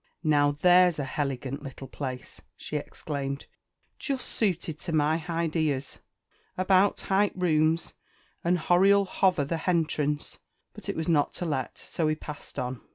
"Now, there's a _h_elegant little place!" she exclaimed, "just suited to my _h_ideas about _h_eight rooms and a _h_oriel _h_over the _h_entrance." But it was not to let so we passed on.